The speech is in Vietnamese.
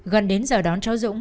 gần đến giờ đón cháu dũng